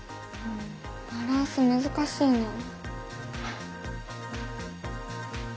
んバランス難しいなあ。